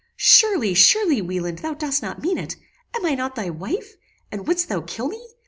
"Surely, surely Wieland, thou dost not mean it. Am I not thy wife? and wouldst thou kill me?